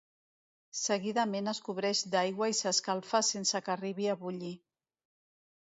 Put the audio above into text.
Seguidament es cobreix d'aigua i s'escalfa sense que arribi a bullir.